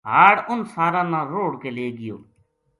ہاڑ اُنھ ساراں نا رُڑھ کے لے گیو